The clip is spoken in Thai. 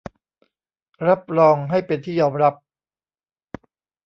รับรองให้เป็นที่ยอมรับ